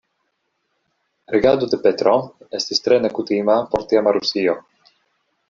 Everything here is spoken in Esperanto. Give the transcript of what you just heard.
Regado de Petro estis tre nekutima por tiama Rusio.